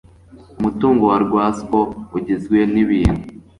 Umutungo wa RWASCO ugizwe n ibintu